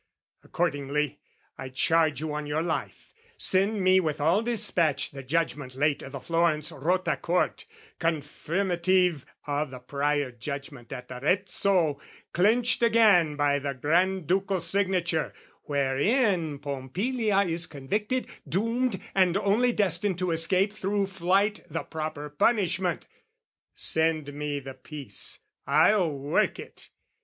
Accordingly, I charge you on your life, Send me with all despatch the judgment late O' the Florence Rota Court, confirmative O' the prior judgment at Arezzo, clenched Again by the Granducal signature, Wherein Pompilia is convicted, doomed, And only destined to escape through flight The proper punishment. Send me the piece, I'll work it!